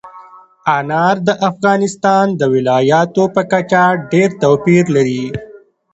انار د افغانستان د ولایاتو په کچه ډېر توپیر لري.